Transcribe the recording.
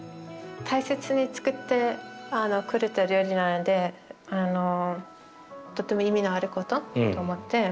大切に作ってくれた料理なのでとても意味のあることと思って。